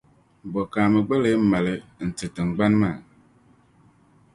Bo ka a mii gba leei mali n-ti tiŋgbani maa?